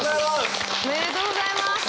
おめでとうございます！